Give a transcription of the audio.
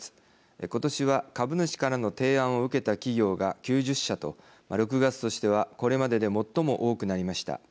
今年は株主からの提案を受けた企業が９０社と６月としてはこれまでで最も多くなりました。